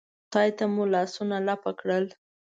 خدای ته مو لاسونه لپه کړل.